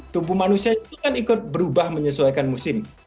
tubuh manusia itu kan ikut berubah menyesuaikan musim